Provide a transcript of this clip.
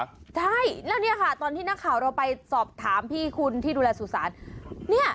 ใช่แล้วเนี่ยค่ะตอนที่นักข่าวเราไปสอบถามพี่คุณที่ดูแลสุสานเนี่ย